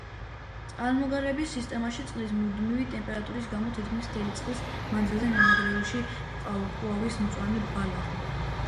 წყალმომარაგების სიტემაში წყლის მუდმივი ტემპერატურის გამო თითქმის მთელი წლის მანძილზე ნანგრევებში ყვავის მწვანე ბალახი.